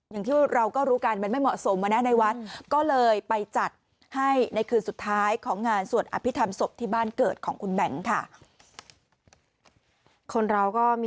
คนเราก็มีสิ่งที่ชอบแตกต่างกันไปนะคะ